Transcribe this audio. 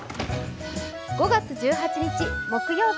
５月１８日木曜日。